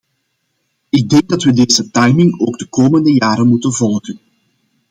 Ik denk dat we deze timing ook de komende jaren moeten volgen.